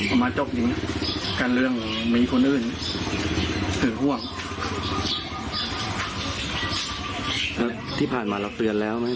อหละแล้วที่ผ่านมาเราก็เตือนแล้วมั้ยบัง